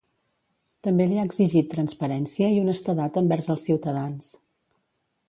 També li ha exigit transparència i honestedat envers els ciutadans.